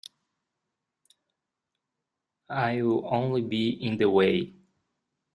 I'll only be in the way.